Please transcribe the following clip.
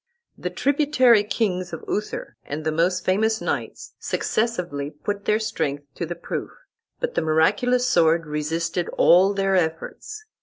The tributary kings of Uther, and the most famous knights, successively put their strength to the proof, but the miraculous sword resisted all their efforts.